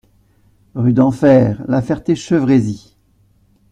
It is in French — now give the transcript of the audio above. Rue d'Enfer, La Ferté-Chevresis